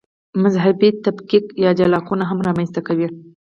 مذهبي تفکیک یا جلاکونه هم رامنځته کوي.